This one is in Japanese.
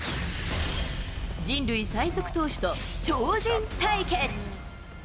人類最速投手と超人対決。